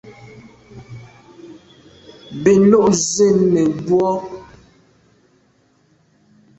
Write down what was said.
Bin lo zin mebwô.